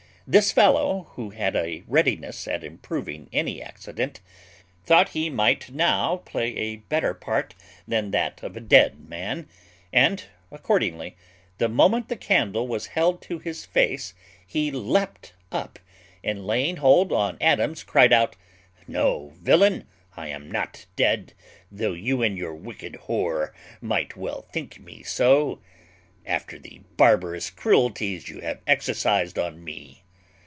This fellow, who had a readiness at improving any accident, thought he might now play a better part than that of a dead man; and, accordingly, the moment the candle was held to his face he leapt up, and, laying hold on Adams, cried out, "No, villain, I am not dead, though you and your wicked whore might well think me so, after the barbarous cruelties you have exercised on me.